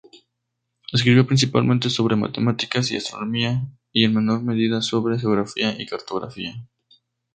Escribió principalmente sobre matemáticas y astronomía, y en menor medida sobre geografía y cartografía.